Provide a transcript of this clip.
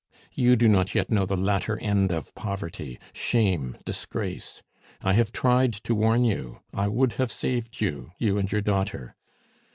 "You do not yet know the latter end of poverty shame, disgrace. I have tried to warn you; I would have saved you, you and your daughter.